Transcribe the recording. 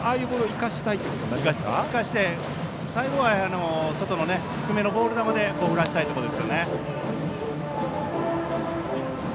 生かして、最後は外の低めのボール球で振らせたいところですね。